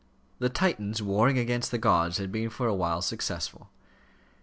The Titans warring against the gods had been for awhile successful.